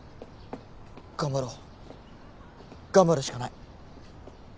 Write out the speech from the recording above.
頑張ろう頑張るしかない。